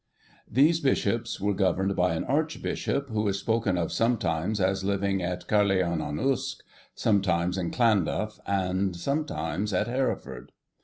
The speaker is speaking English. These Bishops were governed by an Archbishop, who is spoken of sometimes as living at Carleon on Usk, sometimes at Llandaff, and sometimes at Hereford.